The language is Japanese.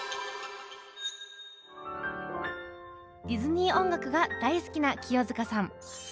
ディズニー音楽が大好きな清塚さん。